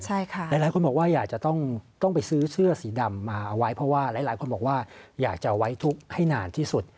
ใช่ค่ะหลายคนบอกว่าอยากจะต้องไปซื้อเสื้อสีดำมาเอาไว้เพราะว่าหลายคนบอกว่าอยากจะไว้ทุกข์ให้นานที่สุด